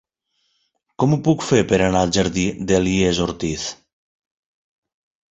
Com ho puc fer per anar al jardí d'Elies Ortiz?